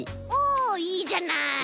おっいいじゃない。